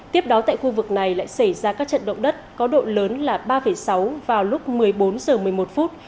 tiếp đó tại khu vực này lại xảy ra các trận động đất có độ lớn là ba sáu vào lúc một mươi bốn h một mươi một phút